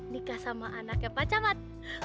nikah sama anaknya pak camat